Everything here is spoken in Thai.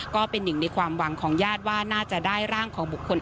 ก็เป็นหนึ่งในความหวังของญาติว่าน่าจะได้ร่างของบุคคล